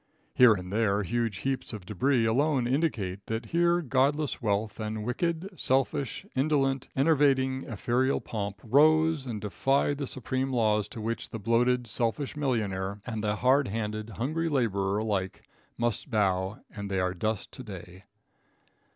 Here and there huge heaps of debris alone indicate that here Godless wealth and wicked, selfish, indolent, enervating, ephemeral pomp, rose and defied the supreme laws to which the bloated, selfish millionaire and the hard handed, hungry laborer alike must bow, and they are dust to day.